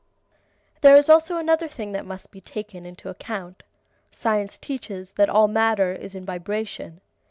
There is also another thing that must be taken into account. Science teaches that all matter is in vibration.